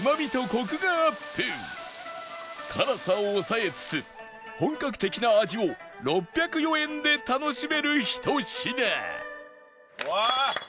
辛さを抑えつつ本格的な味を６０４円で楽しめるひと品わあ！